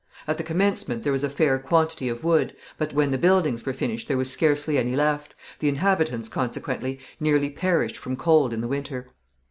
At the commencement there was a fair quantity of wood, but when the buildings were finished there was scarcely any left; the inhabitants, consequently, nearly perished from cold in the winter.